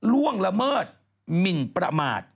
ล่วงละเมิดหมินประมาท